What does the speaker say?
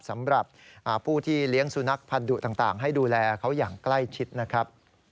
สำหรับผู้ที่เลี้ยงสุนัขพันธุต่างให้ดูแลเขาอย่างใกล้ชิดนะครับ